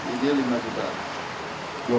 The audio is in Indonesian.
ini lima belas juta